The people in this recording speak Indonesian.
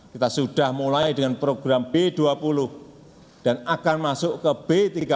kita sudah mulai dengan program b dua puluh dan akan masuk ke b tiga puluh